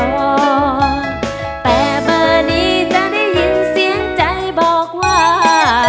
ไว้รอแต่เมื่อนี้จะได้ยินเสียงใจบอกว่า